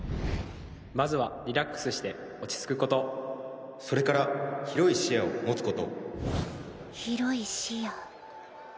まずはリラックスして落ち着くことそれから広い視野を持つこと広い視野。